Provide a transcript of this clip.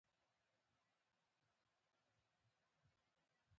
ټپي ته باید د الله رحمت وغواړو.